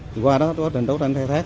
thì qua đó có trình đấu tranh thay thác